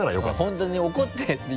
本当に怒って